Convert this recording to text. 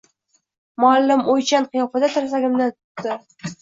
Muallim o‘ychan qiyofada tirsagimdan tutdi.